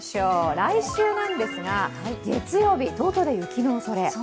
来週なんですが、月曜日、東京で雪のおそれ。